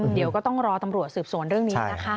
เดี๋ยวก็ต้องรอตำรวจสืบสวนเรื่องนี้นะคะ